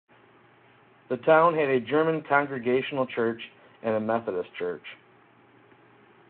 The town had a German Congregational church and a Methodist church.